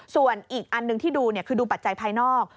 ส่วนอีกอันหนึ่งที่ดูคือดูปัจจัยภายนอก